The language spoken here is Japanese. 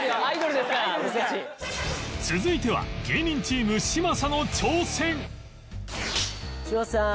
続いては芸人チーム嶋佐の挑戦嶋佐さん